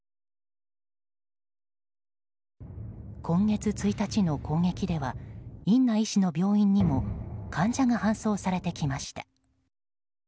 今月１日の攻撃ではインナ医師の病院にも患者が搬送されてきました。